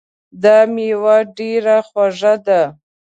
دا میوه ډېره خوږه ده